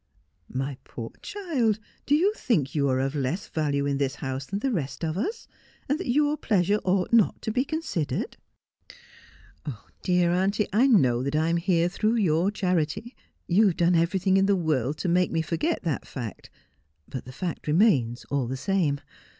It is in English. ; My poor child, do you think you are of less value in this house than the rest of us, and that your pleasure ought not to be considered ?'' Dear auntie, I know that I am here through your charity. You have done everything in the world to make me forget that fact, but the fact remains all the same.